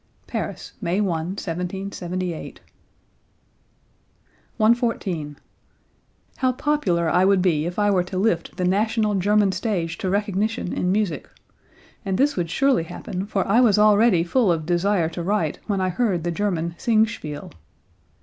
(Paris, May 1, 1778.) 114. "How popular I would be if I were to lift the national German stage to recognition in music! And this would surely happen for I was already full of desire to write when I heard the German Singspiel."